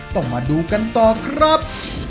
ต้องมาดูกันต่อครับ